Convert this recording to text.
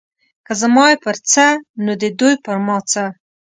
که زما یې پر څه نو د دوی پر ما څه.